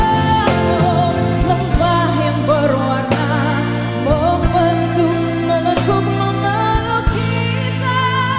lempah yang berwarna membentuk meneguk meneguk kita